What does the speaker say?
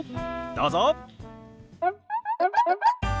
どうぞ。